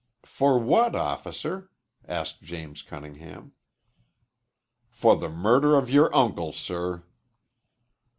"For what, officer?" asked James Cunningham. "For the murder of your uncle, sir."